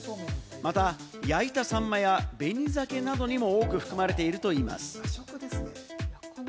また焼いたサンマや紅ザケなどにも多く含まれているといいます。